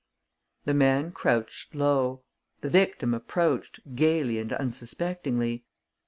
The man crouched low. The victim approached, gaily and unsuspectingly.